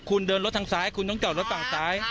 คุณเดินรถทางซ้ายคุณต้องจอดรถฝั่งซ้าย